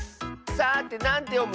さてなんてよむ？